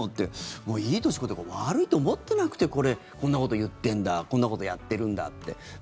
いい年こいて悪いと思ってなくてこんなこと言ってるんだこんなことやってるんだって。